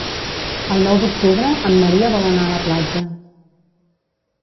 El nou d'octubre en Maria vol anar a la platja.